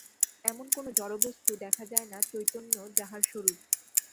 এমন কোন জড়বস্তু দেখা যায় না, চৈতন্য যাহার স্বরূপ।